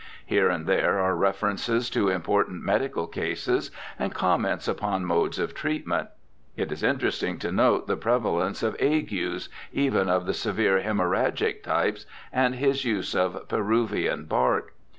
Here and there are references to important medical cases, and comments upon modes of treatment. It is interesting to note the prevalence of agues, even of the severe haemorrhagic types, and his use of Peruvian bark.